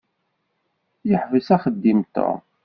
Yeḥbes axeddim Tom.